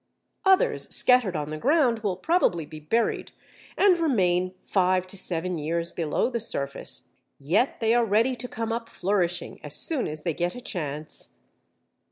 Others scattered on the ground will probably be buried and remain five to seven years below the surface, yet they are ready to come up flourishing as soon as they get a chance.